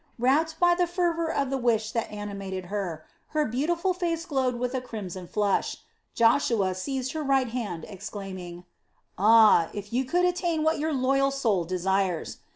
Rapt by the fervor of the wish that animated her, her beautiful face glowed with a crimson flush. Joshua seized her right hand, exclaiming: "Ah, if you could attain what your loyal soul desires!